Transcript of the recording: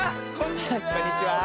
こんにちは。